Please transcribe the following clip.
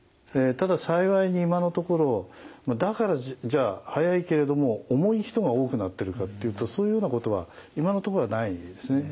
ただ幸いに今のところだからじゃあ速いけれども重い人が多くなってるかっていうとそういうようなことは今のところはないですね。